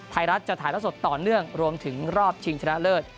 ไทยรัฐจะถ่ายละสดต่อเนื่องรวมถึงรอบชิงชนะเลิศ